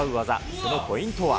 そのポイントは。